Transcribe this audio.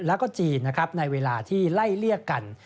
และจีนในเวลาที่ไล่เลียกกัน